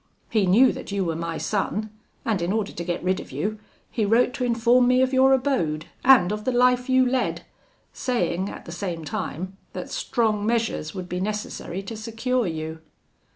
He knew that you were my son, and in order to get rid of you, he wrote to inform me of your abode, and of the life you led; saying, at the same time, that strong measures would be necessary to secure you.